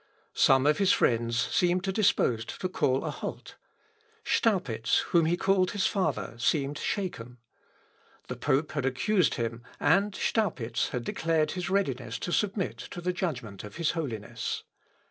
Some of his friends seemed disposed to call a halt. Staupitz, whom he called his father, seemed shaken. The pope had accused him, and Staupitz had declared his readiness to submit to the judgment of his Holiness.